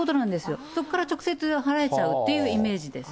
そこから直接、払えちゃうっていうイメージです。